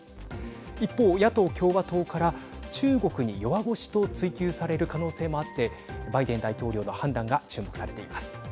一方、野党・共和党から中国に弱腰と追及される可能性もあってバイデン大統領の判断が注目されています。